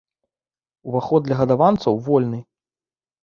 Уваход для гадаванцаў вольны!